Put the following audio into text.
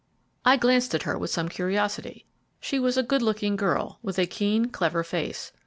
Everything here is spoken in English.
I glanced at her with some curiosity. She was a good looking girl, with a keen, clever face.